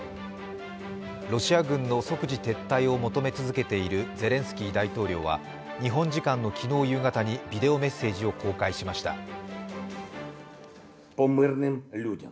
ロシア軍の即時撤退を求め続けているゼレンスキー大統領は日本時間の昨日夕方にビデオメッセージを公開しました。